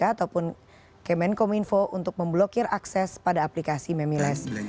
ataupun kemenkominfo untuk memblokir akses pada aplikasi memiles